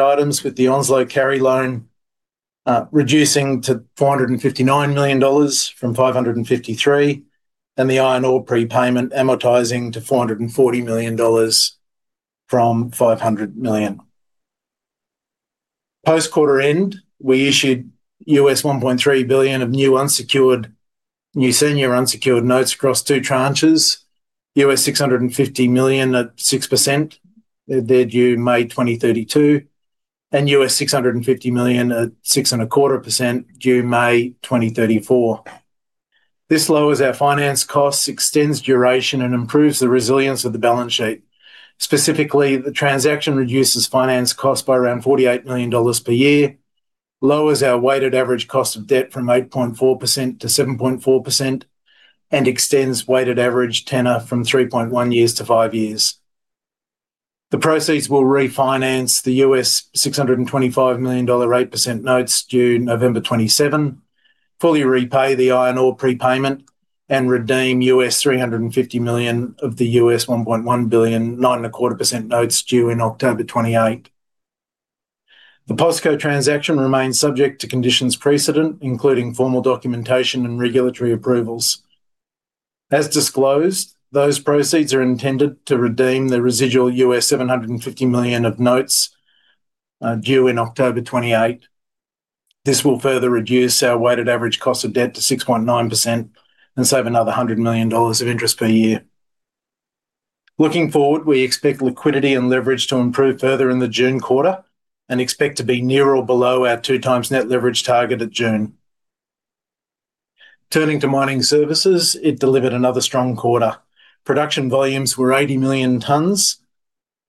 Items with the Onslow carry loan, reducing to 459 million dollars from 553 million and the iron ore prepayment amortizing to 440 million dollars from 500 million. Post quarter end, we issued $1.3 billion of new senior unsecured notes across two tranches, $650 million at 6%, they're due May 2032, and $650 million at 6.25% due May 2034. This lowers our finance costs, extends duration, and improves the resilience of the balance sheet. Specifically, the transaction reduces finance costs by around 48 million dollars per year, lowers our weighted average cost of debt from 8.4%-7.4% and extends weighted average tenor from 3.1 years-5 years. The proceeds will refinance the $625 million 8% notes due November 27, fully repay the iron ore prepayment, and redeem $350 million of the $1.1 billion 9.25% notes due in October 28. The POSCO transaction remains subject to conditions precedent, including formal documentation and regulatory approvals. As disclosed, those proceeds are intended to redeem the residual $750 million of notes due in October 28. This will further reduce our weighted average cost of debt to 6.9% and save another 100 million dollars of interest per year. Looking forward, we expect liquidity and leverage to improve further in the June quarter and expect to be near or below our 2x net leverage target at June. Turning to mining services, it delivered another strong quarter. Production volumes were 80 million tons.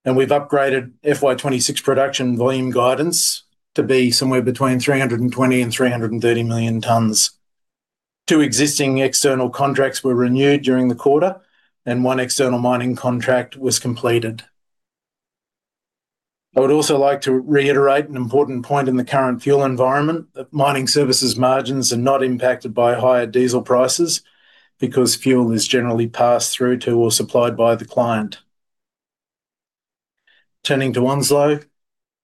We've upgraded FY 2026 production volume guidance to be somewhere between 320 million and 330 million tons. Two existing external contracts were renewed during the quarter, and one external mining contract was completed. I would also like to reiterate an important point in the current fuel environment that mining services margins are not impacted by higher diesel prices because fuel is generally passed through to or supplied by the client. Turning to Onslow.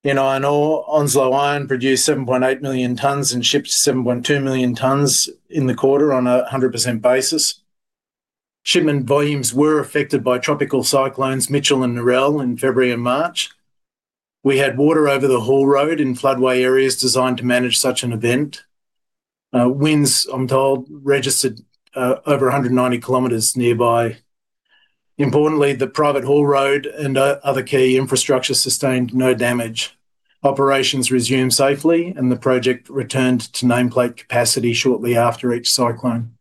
In iron ore, Onslow Iron produced 7.8 million tons and shipped 7.2 million tons in the quarter on a 100% basis. Shipment volumes were affected by tropical cyclones Mitchell and Narelle in February and March. We had water over the haul road in floodway areas designed to manage such an event. Winds, I'm told, registered over 190 km nearby. Importantly, the private haul road and other key infrastructure sustained no damage. Operations resumed safely, and the project returned to nameplate capacity shortly after each cyclone.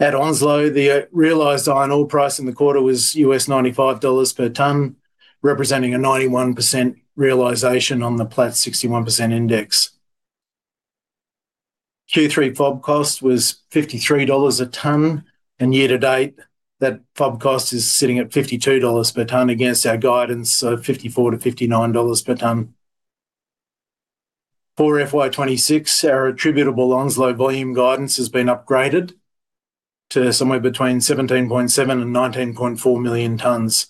At Onslow, the realized iron ore price in the quarter was $95 per ton, representing a 91% realization on the Platts 61% index. Q3 FOB cost was 53 dollars a ton, and year-to-date, that FOB cost is sitting at 52 dollars per ton against our guidance of 54-59 dollars per ton. For FY 2026, our attributable Onslow volume guidance has been upgraded to somewhere between 17.7 million and 19.4 million tons,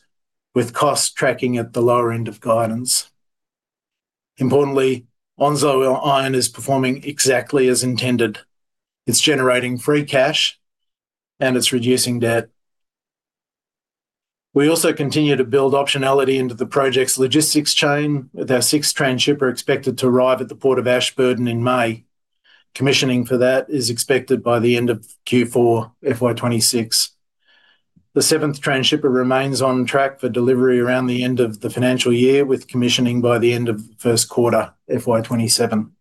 with costs tracking at the lower end of guidance. Importantly, Onslow Iron is performing exactly as intended. It's generating free cash and it's reducing debt. We also continue to build optionality into the project's logistics chain, with our sixth transhipper expected to arrive at the Port of Ashburton in May. Commissioning for that is expected by the end of Q4 FY 2026. The seventh transhipper remains on track for delivery around the end of the financial year, with commissioning by the end of first quarter FY 2027.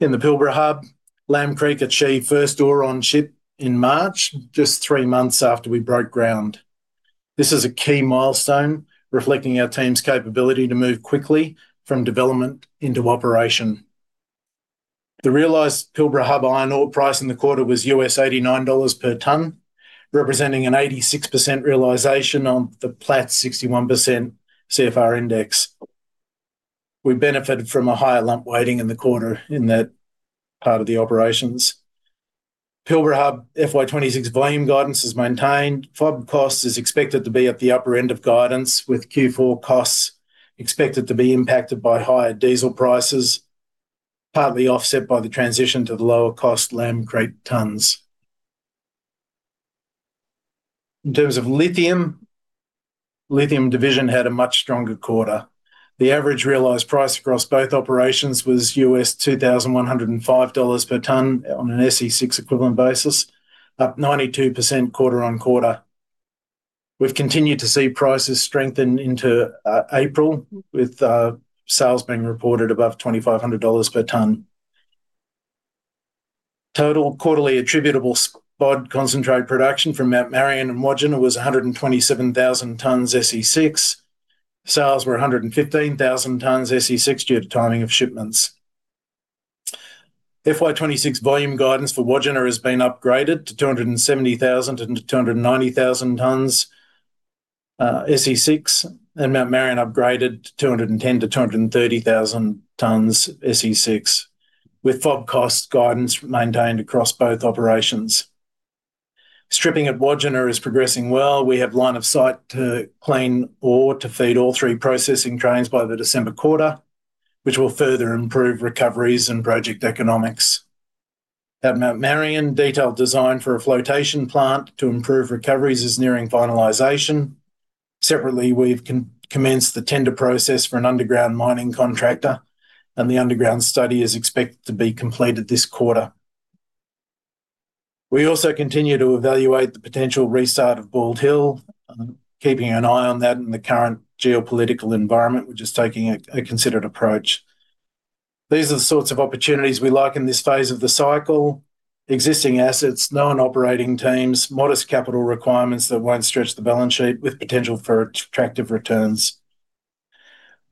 In the Pilbara Hub, Lamb Creek achieved first ore on ship in March, just three months after we broke ground. This is a key milestone reflecting our team's capability to move quickly from development into operation. The realized Pilbara Hub iron ore price in the quarter was $89 per ton, representing an 86% realization on the Platts 61% CFR index. We benefited from a higher lump weighting in the quarter in that part of the operations. Pilbara Hub FY 2026 volume guidance is maintained. FOB cost is expected to be at the upper end of guidance, with Q4 costs expected to be impacted by higher diesel prices, partly offset by the transition to the lower cost Lamb Creek tons. In terms of lithium division had a much stronger quarter. The average realized price across both operations was $2,105 per ton on an SC6 equivalent basis, up 92% quarter-on-quarter. We've continued to see prices strengthen into April with sales being reported above $2,500 per ton. Total quarterly attributable spodumene concentrate production from Mt Marion and Wodgina was 127,000 tons SC6. Sales were 115,000 tons SC6 due to timing of shipments. FY 2026 volume guidance for Wodgina has been upgraded to 270,000 tons-290,000 tons SC6, and Mt Marion upgraded to 210,000 tons-230,000 tons SC6, with FOB cost guidance maintained across both operations. Stripping at Wodgina is progressing well. We have line of sight to clean ore to feed all three processing trains by the December quarter, which will further improve recoveries and project economics. At Mt Marion, detailed design for a flotation plant to improve recoveries is nearing finalization. Separately, we've commenced the tender process for an underground mining contractor, and the underground study is expected to be completed this quarter. We also continue to evaluate the potential restart of Bald Hill, keeping an eye on that in the current geopolitical environment. We're just taking a considered approach. These are the sorts of opportunities we like in this phase of the cycle: existing assets, known operating teams, modest capital requirements that won't stretch the balance sheet with potential for attractive returns.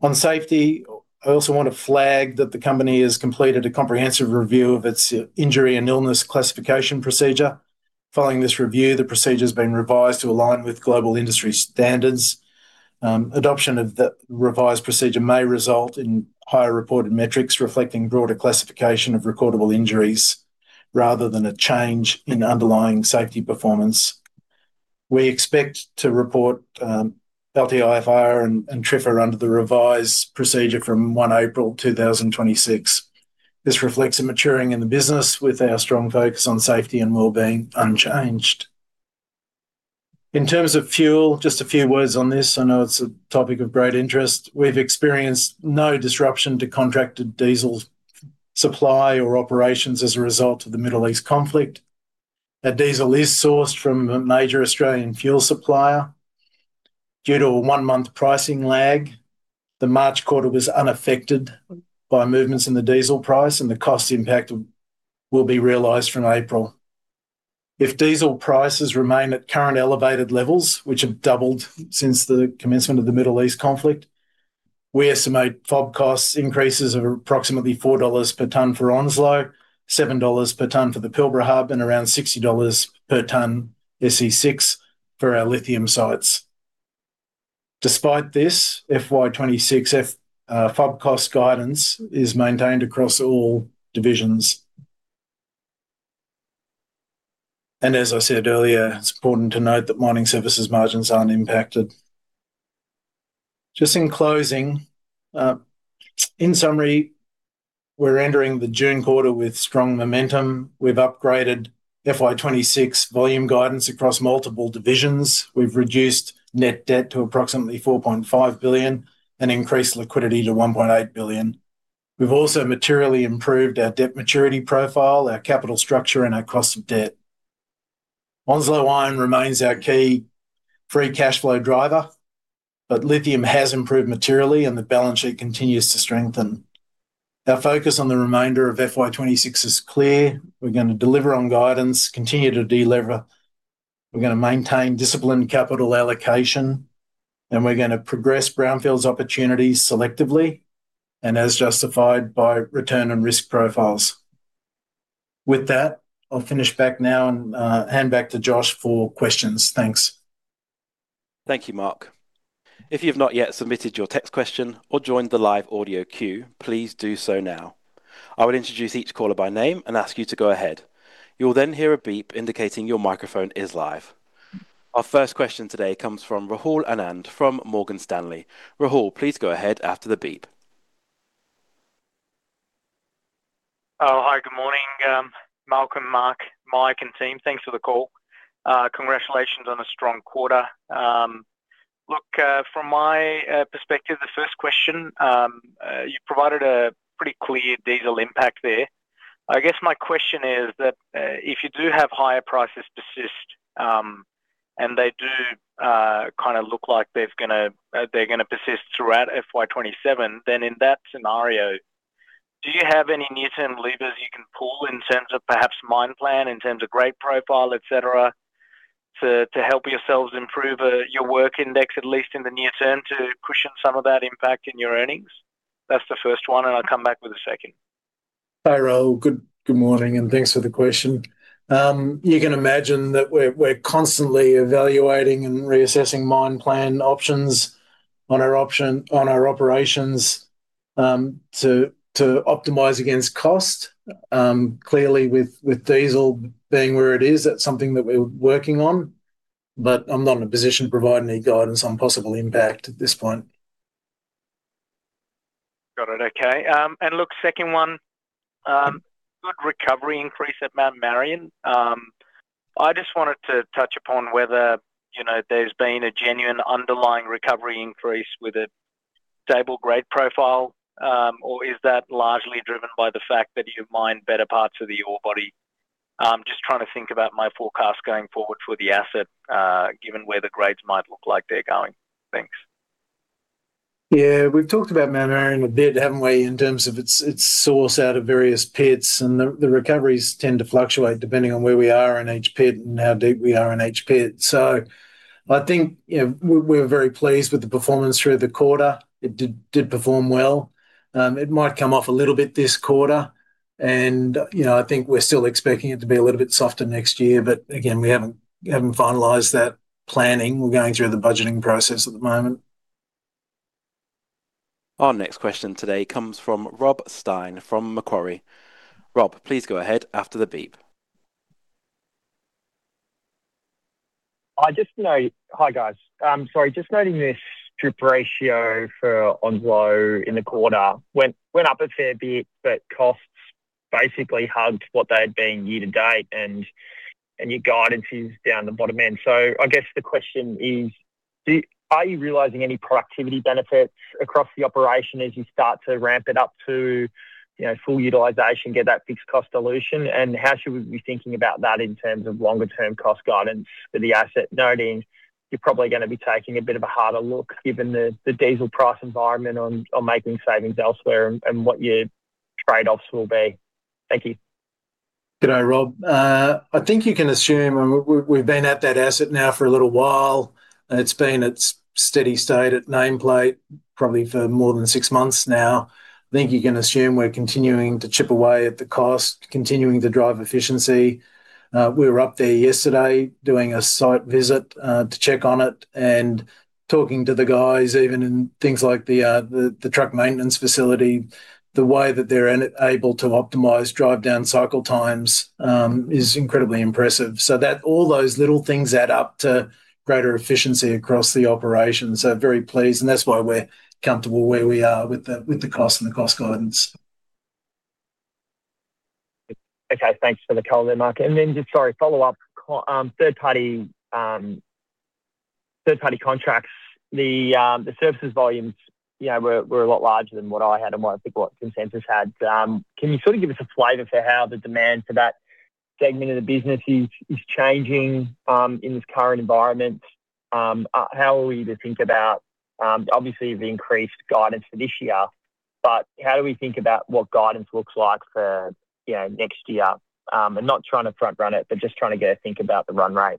On safety, I also want to flag that the company has completed a comprehensive review of its injury and illness classification procedure. Following this review, the procedure's been revised to align with global industry standards. Adoption of the revised procedure may result in higher reported metrics reflecting broader classification of recordable injuries rather than a change in underlying safety performance. We expect to report LTIFR and TRIR under the revised procedure from 1 April 2026. This reflects a maturing in the business with our strong focus on safety and wellbeing unchanged. In terms of fuel, just a few words on this. I know it's a topic of great interest. We've experienced no disruption to contracted diesel supply or operations as a result of the Middle East conflict. Our diesel is sourced from a major Australian fuel supplier. Due to a one-month pricing lag, the March quarter was unaffected by movements in the diesel price, and the cost impact will be realized from April. If diesel prices remain at current elevated levels, which have doubled since the commencement of the Middle East conflict, we estimate FOB costs increases of approximately 4 dollars per ton for Onslow, 7 dollars per ton for the Pilbara Hub, and around 60 dollars per ton SC6 for our lithium sites. Despite this, FY 2026 FOB cost guidance is maintained across all divisions. As I said earlier, it's important to note that mining services margins aren't impacted. Just in closing, in summary, we're entering the June quarter with strong momentum. We've upgraded FY 2026 volume guidance across multiple divisions. We've reduced net debt to approximately 4.5 billion and increased liquidity to 1.8 billion. We've also materially improved our debt maturity profile, our capital structure, and our cost of debt. Onslow Iron remains our key free cash flow driver, but lithium has improved materially and the balance sheet continues to strengthen. Our focus on the remainder of FY 2026 is clear. We're gonna deliver on guidance, continue to de-lever. We're gonna maintain disciplined capital allocation, and we're gonna progress brownfields opportunities selectively and as justified by return and risk profiles. With that, I'll finish back now and hand back to Josh for questions. Thanks. Thank you, Mark. If you've not yet submitted your text question or joined the live audio queue, please do so now. I will introduce each caller by name and ask you to go ahead. You'll then hear a beep indicating your microphone is live. Our first question today comes from Rahul Anand from Morgan Stanley. Rahul, please go ahead after the beep. Oh, hi. Good morning, Malcolm, Mark, Mike, and team. Thanks for the call. Congratulations on a strong quarter. Look, from my perspective, the first question, you provided a pretty clear diesel impact there. I guess my question is that if you do have higher prices persist. They do kind of look like they're gonna persist throughout FY 2027. In that scenario, do you have any near-term levers you can pull in terms of perhaps mine plan, in terms of grade profile, et cetera, to help yourselves improve your work index, at least in the near term, to cushion some of that impact in your earnings? That's the first one. I'll come back with a second. Hi, Rahul. Good morning. Thanks for the question. You can imagine that we're constantly evaluating and reassessing mine plan options on our operations, to optimize against cost. Clearly with diesel being where it is, that's something that we're working on. I'm not in a position to provide any guidance on possible impact at this point. Got it. Okay. Second one. Good recovery increase at Mt Marion. I just wanted to touch upon whether, you know, there's been a genuine underlying recovery increase with a stable grade profile, or is that largely driven by the fact that you mined better parts of the ore body? I'm just trying to think about my forecast going forward for the asset, given where the grades might look like they're going? Thanks. We've talked about Mt Marion a bit, haven't we, in terms of its source out of various pits and the recoveries tend to fluctuate depending on where we are in each pit and how deep we are in each pit. I think, you know, we're very pleased with the performance through the quarter. It did perform well. It might come off a little bit this quarter and, you know, I think we're still expecting it to be a little bit softer next year. Again, we haven't finalized that planning. We're going through the budgeting process at the moment. Our next question today comes from Rob Stein from Macquarie. Rob, please go ahead after the beep. Hi, guys. Sorry. Just noting this strip ratio for Onslow in the quarter went up a fair bit, but costs basically hugged what they had been year-to-date and your guidance is down the bottom end. I guess the question is, are you realizing any productivity benefits across the operation as you start to ramp it up to, you know, full utilization, get that fixed cost dilution? How should we be thinking about that in terms of longer term cost guidance for the asset? Noting you're probably gonna be taking a bit of a harder look given the diesel price environment on making savings elsewhere and what your trade-offs will be? Thank you. Good day, Rob. I think you can assume, and we've been at that asset now for a little while. It's been at steady state at nameplate probably for more than six months now. I think you can assume we're continuing to chip away at the cost, continuing to drive efficiency. We were up there yesterday doing a site visit to check on it and talking to the guys even in things like the truck maintenance facility. The way that they're in it able to optimize drive down cycle times is incredibly impressive. That all those little things add up to greater efficiency across the operation. Very pleased, and that's why we're comfortable where we are with the cost and the cost guidance. Okay. Thanks for the color there, Mark. Just sorry, follow-up on third party contracts. The services volumes, you know, were a lot larger than what I had and what I think what consensus had. Can you sort of give us a flavor for how the demand for that segment of the business is changing in this current environment? How are we to think about obviously the increased guidance for this year, but how do we think about what guidance looks like for, you know, next year? Not trying to front run it, but just trying to get a think about the run rate.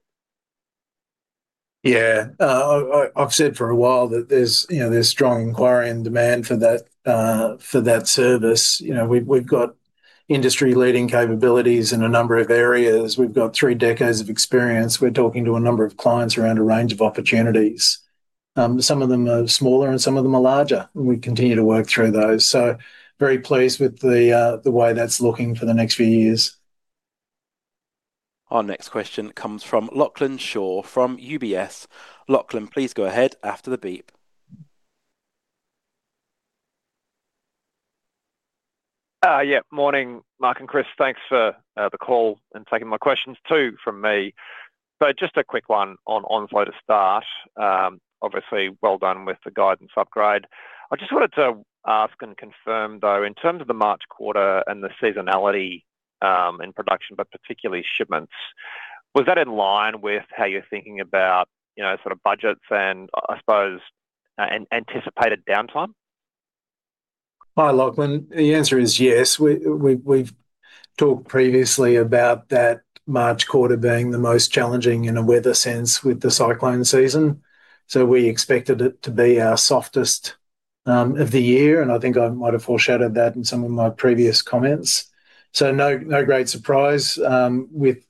Yeah. I've said for a while that there's, you know, strong inquiry and demand for that service. You know, we've got industry-leading capabilities in a number of areas. We've got three decades of experience. We're talking to a number of clients around a range of opportunities. Some of them are smaller and some of them are larger, and we continue to work through those. Very pleased with the way that's looking for the next few years. Our next question comes from Lachlan Shaw from UBS. Lachlan, please go ahead after the beep. Yeah. Morning, Mark and Chris. Thanks for the call and taking my questions too from me. Just a quick one on Onslow to start. Obviously, well done with the guidance upgrade. I just wanted to ask and confirm, though, in terms of the March quarter and the seasonality in production, but particularly shipments, was that in line with how you're thinking about, you know, sort of budgets and anticipated downtime? Hi, Lachlan. The answer is yes. We've talked previously about that March quarter being the most challenging in a weather sense with the cyclone season. We expected it to be our softest of the year, and I think I might have foreshadowed that in some of my previous comments. No, no great surprise with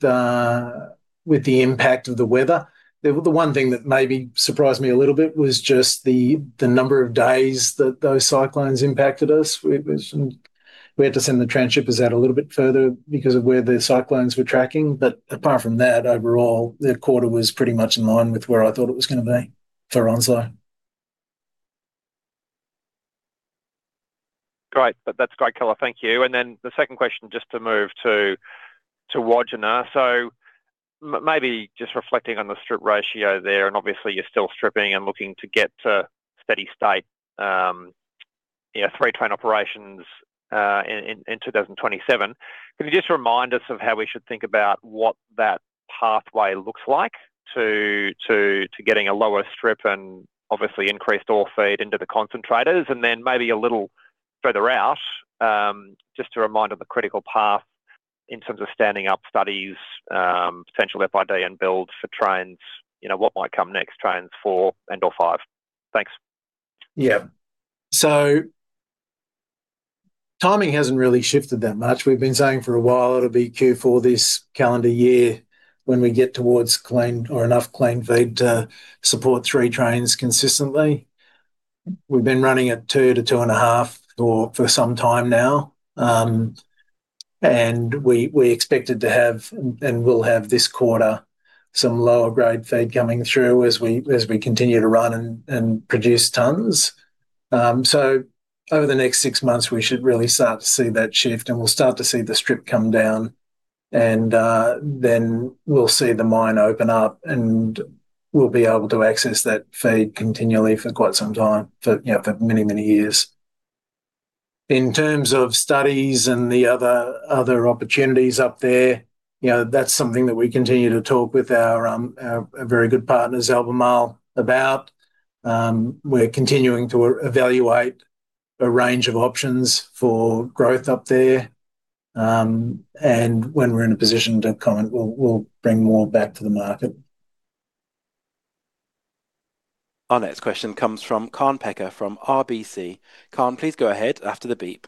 the impact of the weather. The one thing that maybe surprised me a little bit was just the number of days that those cyclones impacted us. We had to send the transhipper out a little bit further because of where the cyclones were tracking. Apart from that, overall, the quarter was pretty much in line with where I thought it was gonna be for Onslow. Great. That's great color. Thank you. The second question, just to move to Wodgina. Maybe just reflecting on the strip ratio there, and obviously you're still stripping and looking to get to steady state, you know, three train operations in 2027. Can you just remind us of how we should think about what that pathway looks like to getting a lower strip and obviously increased ore feed into the concentrators? Maybe a little further out, just a reminder of the critical path in terms of standing up studies, potential FID and build for trains. You know, what might come next, trains four and/or five? Thanks. Yeah. Timing hasn't really shifted that much. We've been saying for a while it'll be Q4 this calendar year when we get towards clean or enough clean feed to support three trains consistently. We've been running at 2 ore-2.5 ore for some time now. We expected to have, and will have this quarter some lower grade feed coming through as we continue to run and produce tons. Over the next six months, we should really start to see that shift, and we'll start to see the strip come down and then we'll see the mine open up. And we'll be able to access that feed continually for quite some time for, you know, for many, many years. In terms of studies and the other opportunities up there, you know, that's something that we continue to talk with our very good partners Albemarle about. We're continuing to evaluate a range of options for growth up there. When we're in a position to comment, we'll bring more back to the market. Our next question comes from Kaan Peker from RBC. Kaan, please go ahead after the beep.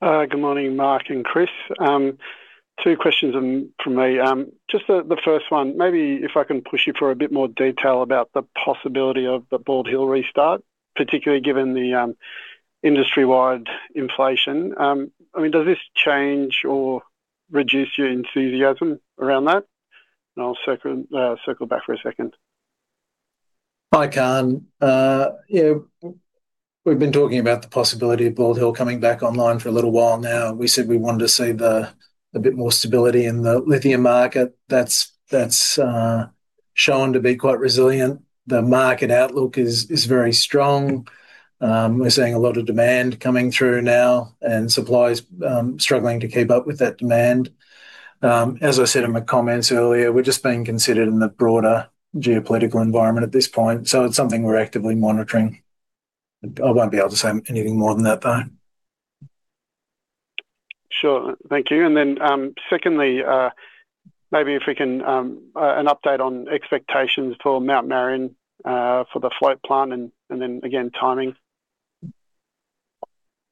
Good morning, Mark and Chris. Two questions from me. Just the first one, maybe if I can push you for a bit more detail about the possibility of the Bald Hill restart, particularly given the industry-wide inflation. I mean, does this change or reduce your enthusiasm around that? I'll circle back for a second. Hi, Kaan. Yeah. We've been talking about the possibility of Bald Hill coming back online for a little while now. We said we wanted to see a bit more stability in the lithium market. That's shown to be quite resilient. The market outlook is very strong. We're seeing a lot of demand coming through now and supplies struggling to keep up with that demand. As I said in my comments earlier, we're just being considered in the broader geopolitical environment at this point. It's something we're actively monitoring. I won't be able to say anything more than that, though. Sure. Thank you. Secondly, maybe if we can get an update on expectations for Mt Marion for the float plan and then again, timing?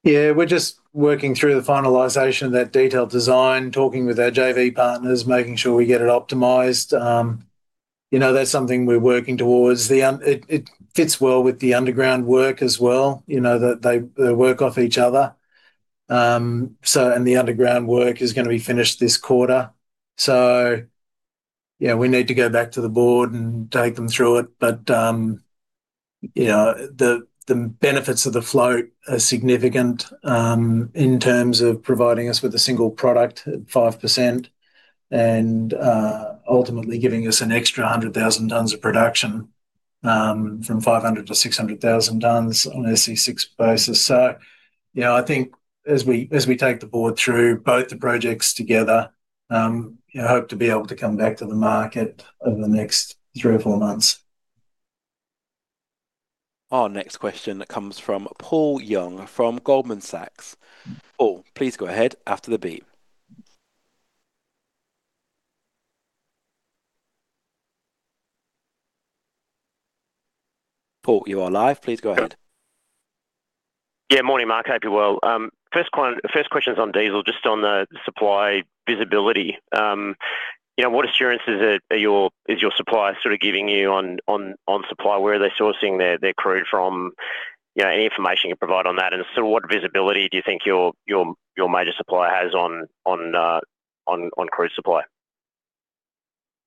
Yeah. We're just working through the finalization of that detailed design, talking with our JV partners, making sure we get it optimized. You know, that's something we're working towards. It fits well with the underground work as well, you know, that they work off each other. The underground work is gonna be finished this quarter. Yeah, we need to go back to the Board and take them through it. You know, the benefits of the float are significant in terms of providing us with a single product at 5% and ultimately giving us an extra 100,000 tons of production from 500,000 tons-600,000 tons on SC6 basis. You know, I think as we take the board through both the projects together, you know, hope to be able to come back to the market over the next three or four months. Our next question comes from Paul Young from Goldman Sachs. Paul, please go ahead after the beep. Paul, you are live. Please go ahead. Yeah. Morning, Mark. Hope you're well. First question is on diesel, just on the supply visibility. You know, what assurances are your supplier sort of giving you on supply? Where are they sourcing their crude from? You know, any information you can provide on that. Sort of what visibility do you think your major supplier has on crude supply?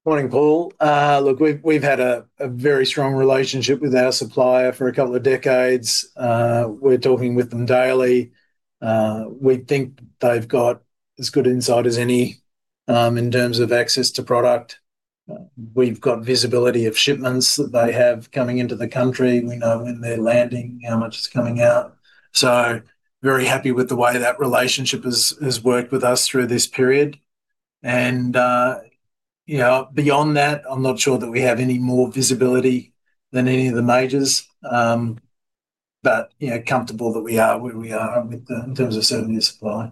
Morning, Paul. Look, we've had a very strong relationship with our supplier for a couple of decades. We're talking with them daily. We think they've got as good insight as any in terms of access to product. We've got visibility of shipments that they have coming into the country. We know when they're landing, how much is coming out. Very happy with the way that relationship has worked with us through this period. You know, beyond that, I'm not sure that we have any more visibility than any of the majors. You know, comfortable that we are where we are in terms of serving your supply.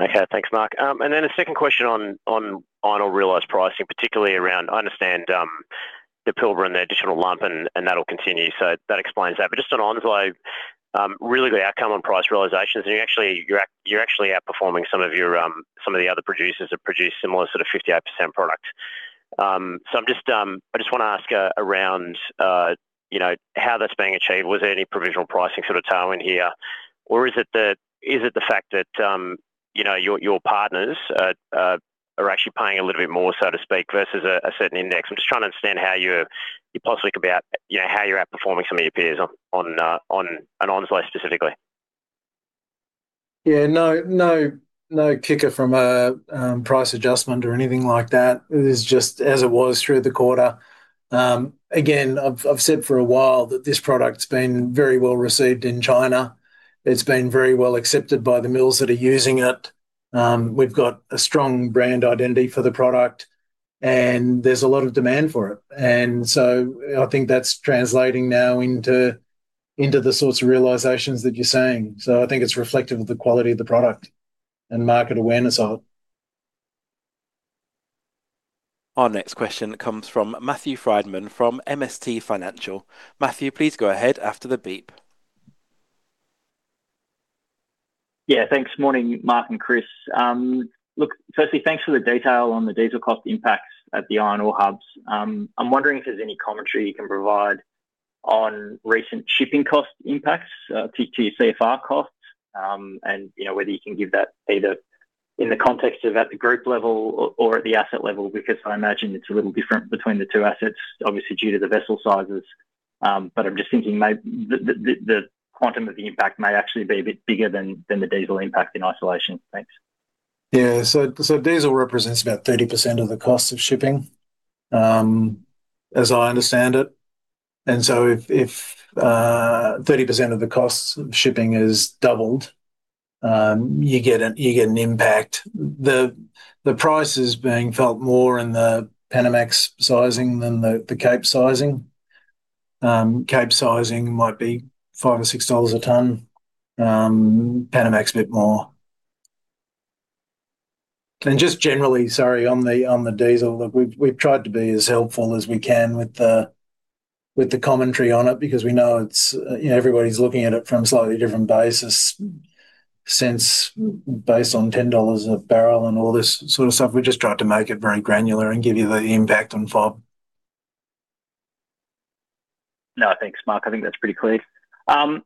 Okay. Thanks, Mark. A second question on iron ore realized pricing, particularly around, I understand, the Pilbara and the additional lump, and that'll continue, so that explains that. Just on onsite, really the outcome on price realizations, you're actually outperforming some of your, some of the other producers that produce similar sort of 58% product. I'm just, I just wanna ask around, you know, how that's being achieved. Was there any provisional pricing sort of tailwind here? Is it the fact that, you know, your partners are actually paying a little bit more, so to speak, versus a certain index? I'm just trying to understand how you're possibly about, you know, how you're outperforming some of your peers on onsite specifically. Yeah, no, no kicker from a price adjustment or anything like that. It is just as it was through the quarter. Again, I've said for a while that this product's been very well received in China. It's been very well accepted by the mills that are using it. We've got a strong brand identity for the product, and there's a lot of demand for it. I think that's translating now into the sorts of realizations that you're seeing. I think it's reflective of the quality of the product and market awareness of it. Our next question comes from Matthew Frydman from MST Financial. Matthew, please go ahead after the beep. Thanks. Morning, Mark and Chris. Look, firstly, thanks for the detail on the diesel cost impacts at the iron ore hubs. I'm wondering if there's any commentary you can provide on recent shipping cost impacts, T/T CFR costs? You know, whether you can give that either in the context of at the group level or at the asset level, because I imagine it's a little different between the two assets, obviously, due to the vessel sizes. I'm just thinking the quantum of the impact may actually be a bit bigger than the diesel impact in isolation. Thanks. So diesel represents about 30% of the cost of shipping, as I understand it. If 30% of the cost of shipping is doubled, you get an impact. The price is being felt more in the Panamax sizing than the Capesizing. Capesizing might be 5 or 6 dollars a ton. Panamax a bit more. Just generally, sorry, on the diesel. We've tried to be as helpful as we can with the commentary on it because we know it's, you know, everybody's looking at it from a slightly different basis since based on 10 dollars a bbl and all this sort of stuff. We're just trying to make it very granular and give you the impact on FOB. No, thanks, Mark. I think that's pretty clear.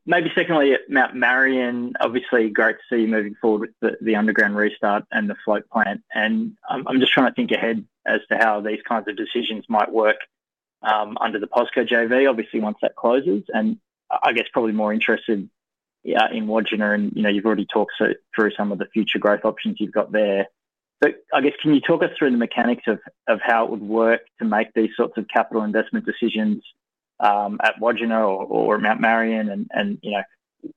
Maybe secondly at Mt Marion, obviously great to see you moving forward with the underground restart and the float plant. I'm just trying to think ahead as to how these kinds of decisions might work under the POSCO JV, obviously once that closes. I guess probably more interested, yeah, in Wodgina and, you know, you've already talked so through some of the future growth options you've got there. I guess, can you talk us through the mechanics of how it would work to make these sorts of capital investment decisions at Wodgina or Mt Marion? And, you know,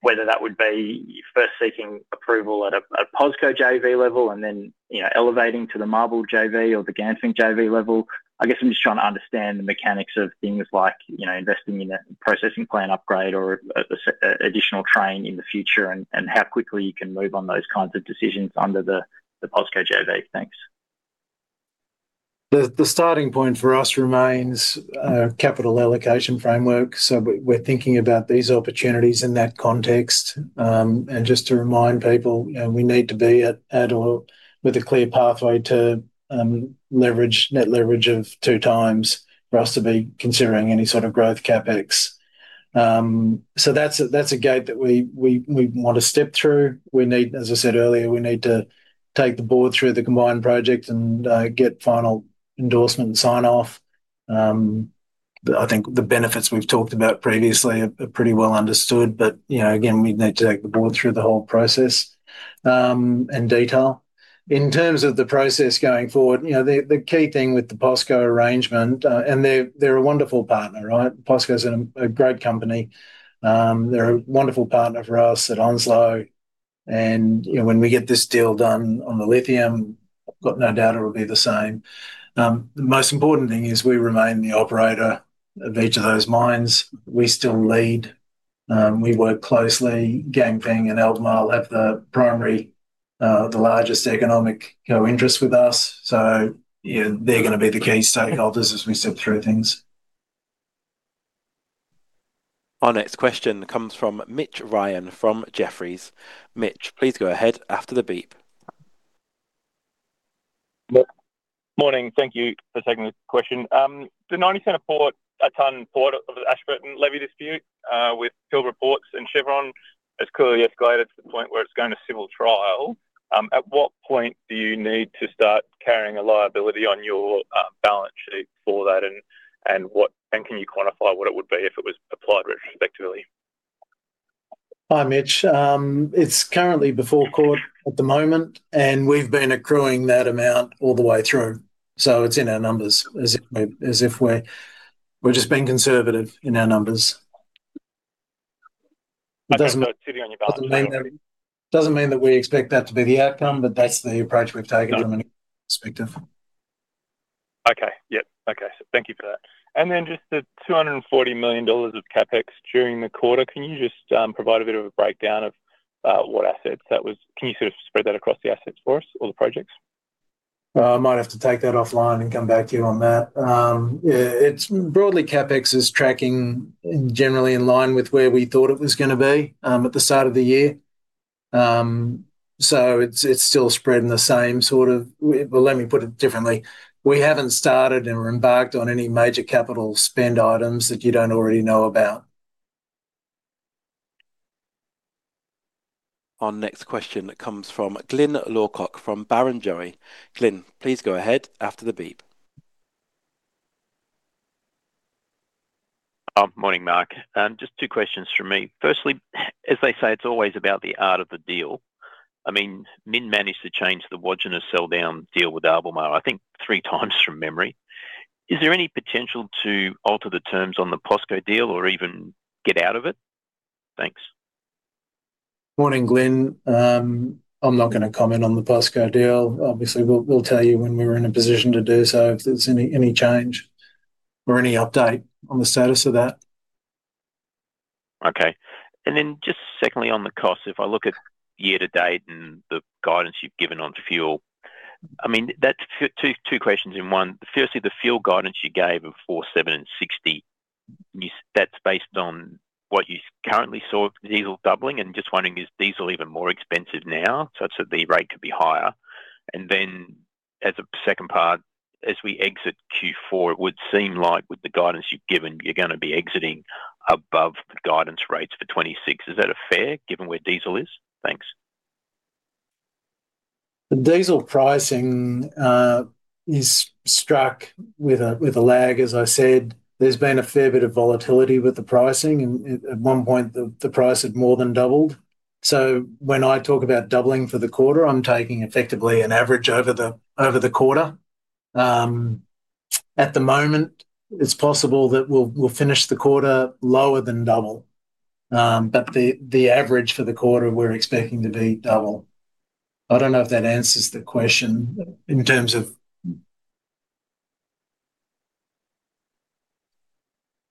whether that would be first seeking approval at a POSCO JV level and then, you know, elevating to the MARBL JV or the Ganfeng JV level? I guess I'm just trying to understand the mechanics of things like, you know, investing in a processing plant upgrade or an additional train in the future? And how quickly you can move on those kinds of decisions under the POSCO JV? Thanks. The starting point for us remains capital allocation framework. We're thinking about these opportunities in that context. Just to remind people, you know, we need to be at or with a clear pathway to leverage, net leverage of 2x for us to be considering any sort of growth CapEx. That's a, that's a gate that we want to step through. We need, as I said earlier, we need to take the board through the combined project and get final endorsement and sign off. I think the benefits we've talked about previously are pretty well understood but, you know, again, we'd need to take the board through the whole process and detail. In terms of the process going forward, you know, the key thing with the POSCO arrangement, and they're a wonderful partner, right? POSCO is a great company. They're a wonderful partner for us at Onslow and, you know, when we get this deal done on the lithium, I've got no doubt it will be the same. The most important thing is we remain the operator of each of those mines. We still lead. We work closely. Ganfeng and Albemarle have the primary, the largest economic co-interest with us. You know, they're gonna be the key stakeholders as we step through things. Our next question comes from Mitch Ryan from Jefferies. Mitch, please go ahead after the beep. Morning. Thank you for taking the question. The 0.90 a ton Port of Ashburton levy dispute with Pilbara Ports and Chevron has clearly escalated to the point where it's going to civil trial. At what point do you need to start carrying a liability on your balance sheet for that? Can you quantify what it would be if it was applied retrospectively? Hi, Mitch. It's currently before court at the moment, and we've been accruing that amount all the way through. It's in our numbers as if we're just being conservative in our numbers. Okay. It's sitting on your balance sheet? Doesn't mean that we expect that to be the outcome, but that's the approach we've taken from a perspective. Okay. Yeah. Okay. Thank you for that. Then just the 240 million dollars of CapEx during the quarter. Can you just provide a bit of a breakdown of what assets that was? Can you sort of spread that across the assets for us or the projects? I might have to take that offline and come back to you on that. Yeah, broadly, CapEx is tracking generally in line with where we thought it was gonna be at the start of the year. It's still spread. Well, let me put it differently. We haven't started and embarked on any major capital spend items that you don't already know about. Our next question comes from Glyn Lawcock from Barrenjoey. Glyn, please go ahead after the beep. Morning, Mark. Just two questions from me. Firstly, as they say, it's always about the art of the deal. I mean, Mineral Resources managed to change the Wodgina sell down deal with Albemarle, I think 3x from memory. Is there any potential to alter the terms on the POSCO deal or even get out of it? Thanks. Morning, Glyn. I'm not gonna comment on the POSCO deal. Obviously, we'll tell you when we're in a position to do so if there's any change or any update on the status of that. Okay. Just secondly on the cost, if I look at year-to-date and the guidance you've given on fuel. I mean, that's two questions in one. Firstly, the fuel guidance you gave of 47.60. That's based on what you currently saw diesel doubling and just wondering, is diesel even more expensive now such that the rate could be higher? Then as a second part, as we exit Q4, it would seem like with the guidance you've given, you're going to be exiting above the guidance rates for FY 2026. Is that fair given where diesel is? Thanks. The diesel pricing is struck with a lag, as I said. There's been a fair bit of volatility with the pricing and at one point, the price had more than doubled. When I talk about doubling for the quarter, I'm taking effectively an average over the quarter. At the moment, it's possible that we'll finish the quarter lower than double. The average for the quarter we're expecting to be double. I don't know if that answers the question.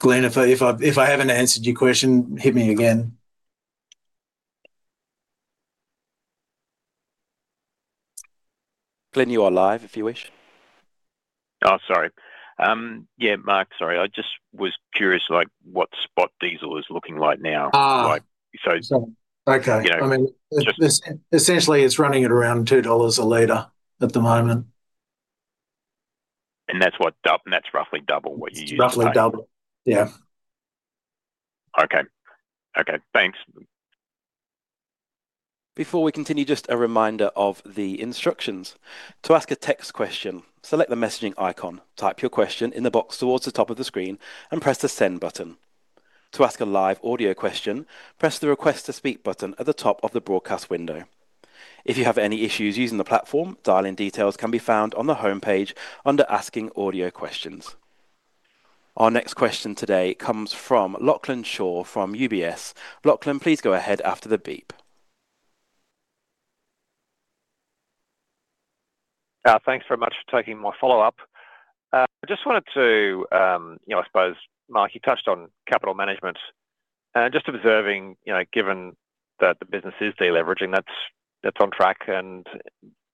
Glyn, if I haven't answered your question, hit me again. Glyn, you are live if you wish. Oh, sorry. yeah, Mark, sorry. I just was curious like what spot diesel is looking like now? Ah. Like so-. Okay. You know. I mean, essentially it's running at around 2 dollars a liter at the moment. That's roughly double what you're used to paying? It's roughly double. Yeah. Okay. Okay, thanks. Before we continue, just a reminder of the instructions. To ask a text question, select the messaging icon, type your question in the box towards the top of the screen, and press the Send button. To ask a live audio question, press the Request to speak button at the top of the broadcast window. If you have any issues using the platform, dial-in details can be found on the homepage under Asking audio questions. Our next question today comes from Lachlan Shaw from UBS. Lachlan, please go ahead after the beep. Thanks very much for taking my follow-up. just wanted to, you know, I suppose, Mark, you touched on capital management and just observing, you know, given that the business is de-leveraging, that's on track and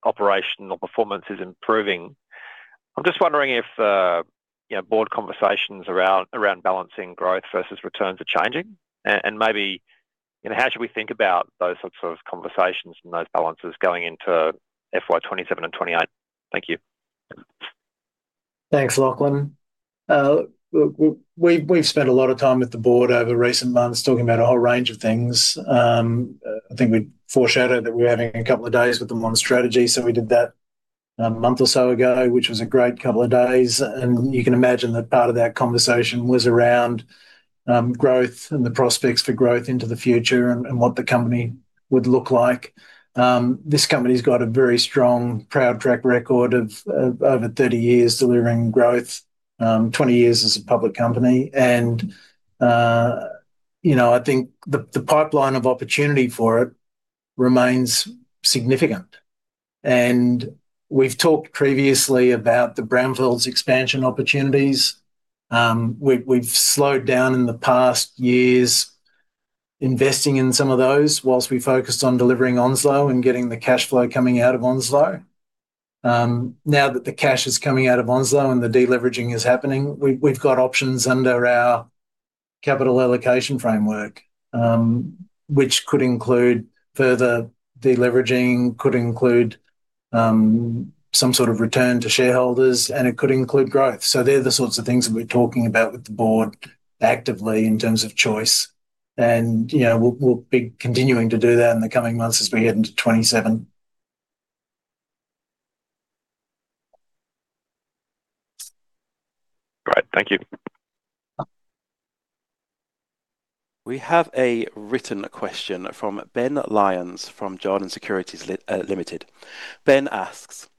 operational performance is improving. I'm just wondering if, you know, Board conversations around balancing growth versus returns are changing? Maybe, you know, how should we think about those sorts of conversations and those balances going into FY 2027 and 2028? Thank you. Thanks, Lachlan. We've spent a lot of time with the Board over recent months talking about a whole range of things. I think we foreshadowed that we're having a couple of days with them on strategy, so we did that a month or so ago, which was a great couple of days. You can imagine that part of that conversation was around growth and the prospects for growth into the future and what the company would look like. This company's got a very strong, proud track record of over 30 years delivering growth, 20 years as a public company. You know, I think the pipeline of opportunity for it remains significant. We've talked previously about the brownfields expansion opportunities. We've slowed down in the past years investing in some of those whilst we focused on delivering Onslow and getting the cash flow coming out of Onslow. Now that the cash is coming out of Onslow and the de-leveraging is happening, we've got options under our capital allocation framework, which could include further de-leveraging, could include some sort of return to shareholders, and it could include growth. They're the sorts of things that we're talking about with the board actively in terms of choice. You know, we'll be continuing to do that in the coming months as we head into 2027. Great. Thank you. We have a written question from Ben Lyons from Jarden Securities Limited. Ben asks: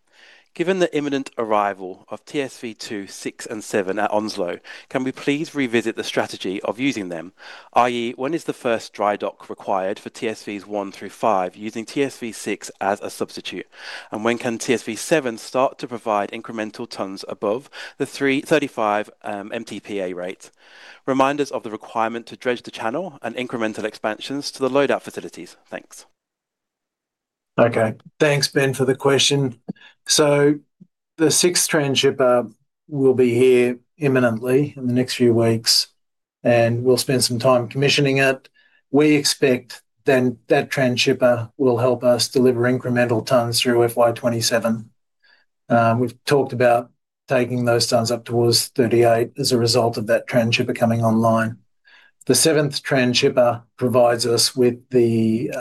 Given the imminent arrival of TSV 2, 6, and 7 at Onslow. Can we please revisit the strategy of using them? I.e., when is the first dry dock required for TSVs 1 through 5 using TSV 6 as a substitute? When can TSV 7 start to provide incremental tons above the 35 MTPA rate? Remind us of the requirement to dredge the channel and incremental expansions to the load-out facilities? Thanks. Okay. Thanks, Ben, for the question. The sixth transhipper will be here imminently in the next few weeks, and we'll spend some time commissioning it. We expect that transhipper will help us deliver incremental tons through FY 2027. We've talked about taking those tons up towards 38 as a result of that transhipper coming online. The seventh transhipper provides us with the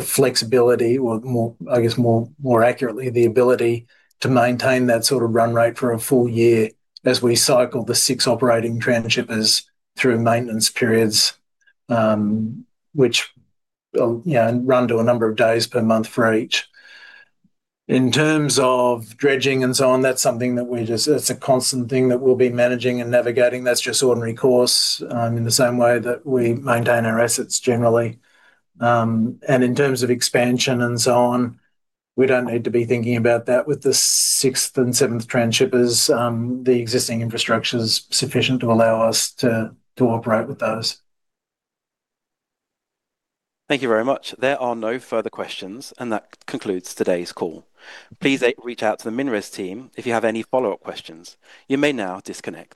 flexibility or more, I guess more accurately, the ability to maintain that sort of run rate for a full year as we cycle the six operating transhippers through maintenance periods. Which, you know, run to a number of days per month for each. In terms of dredging and so on, that's something. It's a constant thing that we'll be managing and navigating. That's just ordinary course, in the same way that we maintain our assets generally. In terms of expansion and so on, we don't need to be thinking about that with the sixth and seventh transhippers. The existing infrastructure is sufficient to allow us to operate with those. Thank you very much. There are no further questions, and that concludes today's call. Please reach out to the MinRes team if you have any follow-up questions. You may now disconnect.